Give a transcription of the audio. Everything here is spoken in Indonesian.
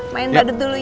main badut dulu ya